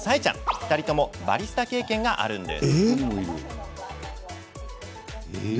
２人ともバリスタ経験があるんです。